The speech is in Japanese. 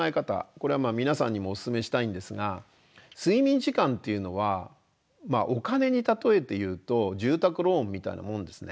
これは皆さんにもお勧めしたいんですが睡眠時間っていうのはお金に例えて言うと住宅ローンみたいなもんですね。